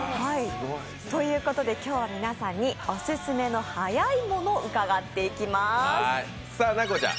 ということで今日は皆さんにオススメのはやいもの、伺っていきます。